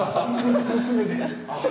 娘で。